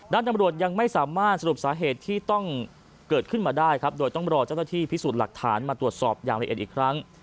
ตำรวจยังไม่สามารถสรุปสาเหตุที่ต้องเกิดขึ้นมาได้ครับโดยต้องรอเจ้าหน้าที่พิสูจน์หลักฐานมาตรวจสอบอย่างละเอียดอีกครั้ง